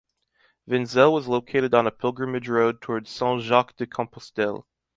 Vinzelle was located on a pilgrimage road towards Saint-Jacques-de-Compostelle.